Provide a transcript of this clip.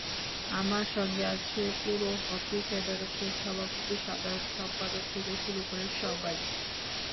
আমার সঙ্গে আছে পুরো হকি ফেডারেশন—সভাপতি, সাধারণ সম্পাদক থেকে শুরু করে সবাই।